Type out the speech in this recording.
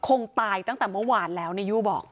คงตายตั้งแต่เมื่อวานแล้วนายยู่บอก